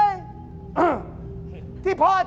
เหปาตะเกะเหปาตะเกะ